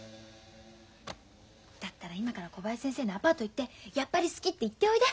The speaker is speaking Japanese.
だったら今から小林先生のアパート行ってやっぱり好きって言っておいで。